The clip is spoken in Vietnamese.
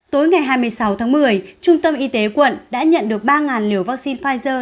tối ngày hai mươi sáu tháng một mươi trung tâm y tế quận đã nhận được ba liều vaccine pfizer